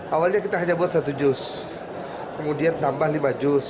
awalnya kita hanya buat satu jus kemudian tambah lima juz